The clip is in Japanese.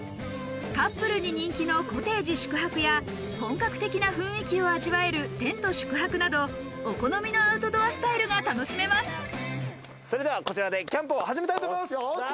カップルに人気のコテージ宿泊や本格的な雰囲気を味わえるテント宿泊などお好みのアウトドアスタそれではこちらでキャンプを始めたいと思います。